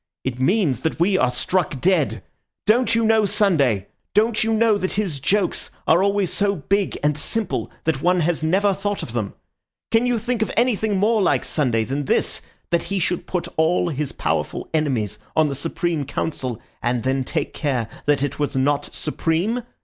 "It means that we are struck dead! Don't you know Sunday? Don't you know that his jokes are always so big and simple that one has never thought of them? Can you think of anything more like Sunday than this, that he should put all his powerful enemies on the Supreme Council, and then take care that it was not supreme?